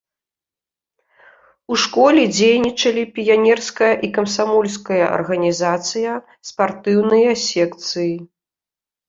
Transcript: У школе дзейнічалі піянерская і камсамольская арганізацыя, спартыўныя секцыі.